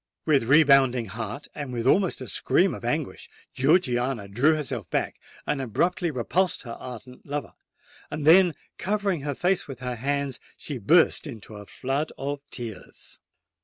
With rebounding heart—and with almost a scream of anguish—Georgiana drew herself back, and abruptly repulsed her ardent lover: then, covering her face with her hands, she burst into a flood of tears.